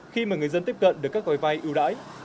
khi mà người dân tiếp cận được các gói vai